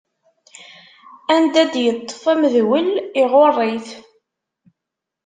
Anda d-yeṭṭef amedwel, iɣuṛṛ-it.